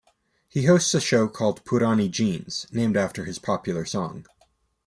He hosts a show called 'Purani Jeans' named after his popular song.